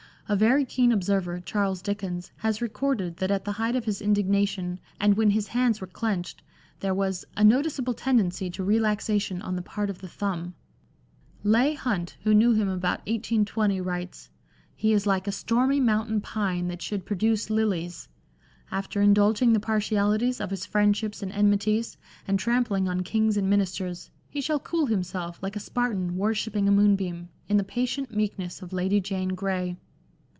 A very keen observer, Charles Dickens, has recorded that at the height of his indignation, and when his hands were clenched, there was " a noticeable tendency to relaxation on the part of the thumb." Leigh Hunt, who knew him about 1820, writes —" He is like a stormy mountain pine that should produce lilies. After in dulging the partialities of his friendships and enmities, and trampling on kings and ministers, he shall cool himself, like a Spartan worshipping a moonbeam, in the patient meekness of Lady Jane Grey."